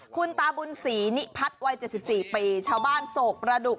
คุณตาบุญศรีนิพัฒน์วัยเจ็ดสิบสี่ปีชาวบ้านโศกระดุก